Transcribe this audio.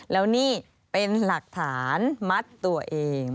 แล้วนี่เป็นหลักฐานมัดตัวเอง